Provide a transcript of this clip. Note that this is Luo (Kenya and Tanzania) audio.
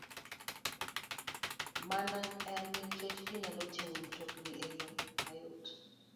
Mano en nikech ginyalo ting'o mtokni e yo mayot,